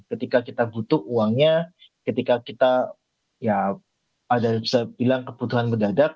ketika kita butuh uangnya ketika kita ya ada saya bilang kebutuhan mendadak